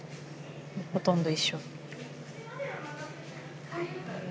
ほとんど一緒。